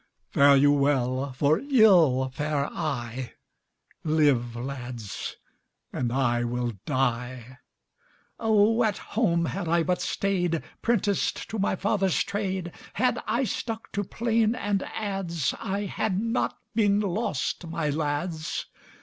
Fare you well, for ill fare I: Live, lads, and I will die." "Oh, at home had I but stayed 'Prenticed to my father's trade, Had I stuck to plane and adze, I had not been lost, my lads."